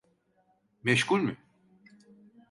Meşgul mü?